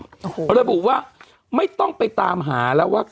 เพราะฉะนั้นพูดว่าไม่ต้องไปตามหาแล้วว่า